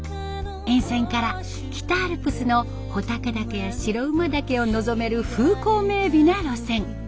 沿線から北アルプスの穂高岳や白馬岳を望める風光明美な路線。